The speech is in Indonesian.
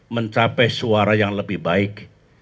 mencapai suara yang lebih baik